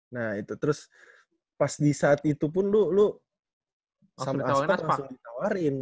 nah itu terus pas di saat itu pun lo sama aspak langsung ditawarin